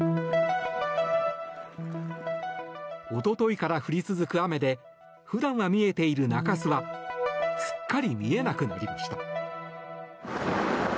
おとといから降り続く雨で普段は見えている中州はすっかり見えなくなりました。